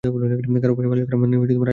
কারো পায়ে মালিশ করা মানে আশীর্বাদ পাওয়া।